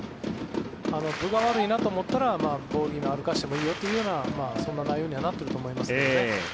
分が悪いなと思ったらボール気味歩かせてもいいよというそういう内容になっているとは思いますが。